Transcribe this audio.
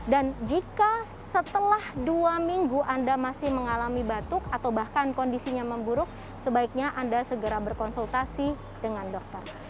dan jika setelah dua minggu anda masih mengalami batuk atau bahkan kondisinya memburuk sebaiknya anda segera berkonsultasi dengan dokter